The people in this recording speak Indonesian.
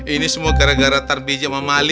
ini semua gara gara tarbija sama mali